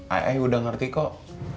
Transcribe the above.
aya udah ngerti kok